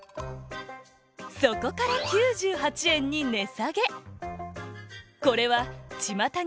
そこから９８円に値さげ。